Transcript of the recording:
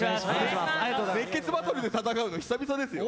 「熱血バトル」で戦うの久々ですよ。